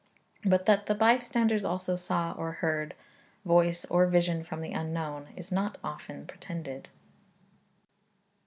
But that the bystanders also saw, or heard, voice or vision from the Unknown, is not often pretended.